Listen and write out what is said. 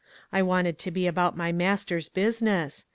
I wanted to be about my Master's business.